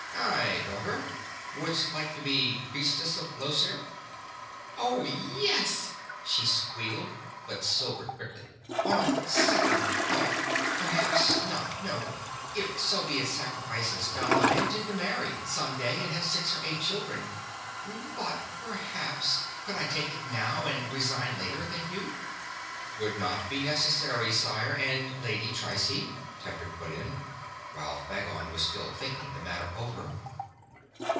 "Aye, daughter. Wouldst like to be Priestess of Llosir?" "Oh, yes!" she squealed; but sobered quickly. "On second thought ... perhaps not ... no. If sobeit sacrifice is done I intend to marry, some day, and have six or eight children. But ... perhaps ... could I take it now, and resign later, think you?" "'Twould not be necessary, sire and Lady Trycie," Tedric put in, while Phagon was still thinking the matter over.